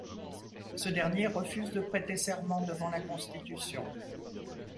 Ce dernier refuse de prêter serment devant la constitution.